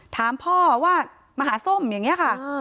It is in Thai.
ถามพ่อว่ามาหาส้มอย่างนี้ค่ะ